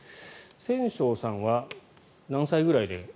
千正さんは何歳ぐらいで。